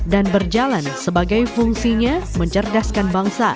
dan berjalan sebagai fungsinya mencerdaskan bangsa